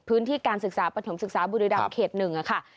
พื้นที่การศึกษาปฐมศึกษาบุรีรำเขต๑ค่ะ